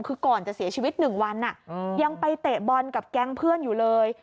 คือก่อนจะเสียชีวิต๑วันยังไปเตะบอลกับแก๊งเพื่อนอยู่เลย